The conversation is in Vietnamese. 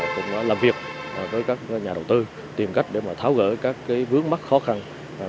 cùng làm việc với các nhà đầu tư tìm cách để mà tháo gỡ các cái vướng mắt khó khăn